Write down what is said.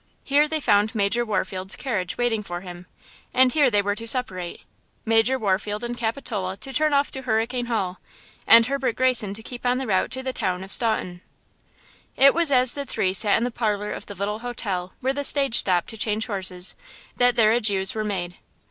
Here they found Major Warfield's carriage waiting for him, and here they were to separate–Major Warfield and Capitola to turn off to Hurricane Hall and Herbert Greyson to keep on the route to the town of Staunton. It was as the three sat in the parlor of the little hotel where the stage stopped to change horses that their adieus were made.